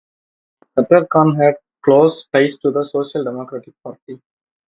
Sattar Khan had close ties to the Social Democratic Party.